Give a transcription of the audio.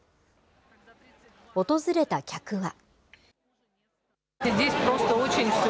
訪れた客は。